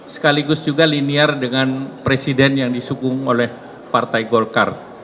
sekaligus juga linear dengan presiden yang disukung oleh partai golkar